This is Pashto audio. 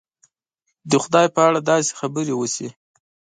د خدای په اړه داسې خبرې وشي.